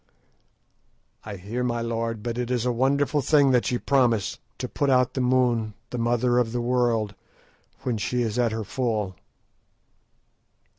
"I hear, my lord, but it is a wonderful thing that ye promise, to put out the moon, the mother of the world, when she is at her full."